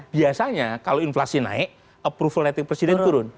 biasanya kalau inflasi naik approval rating presiden turun